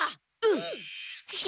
うん！